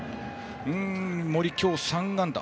森、今日３安打。